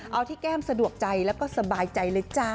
เอาที่แก้มสะดวกใจแล้วก็สบายใจเลยจ้า